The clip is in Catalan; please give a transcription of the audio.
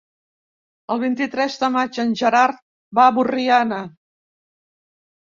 El vint-i-tres de maig en Gerard va a Borriana.